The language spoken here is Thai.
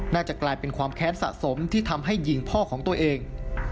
น่าจะกลายเป็นความแค้นสะสมที่ทำให้ยิงพ่อของตัวเอง